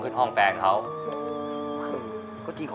ชื่อฟอยแต่ไม่ใช่แฟง